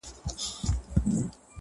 ګټه او پيسې ئې مقصد نه وې.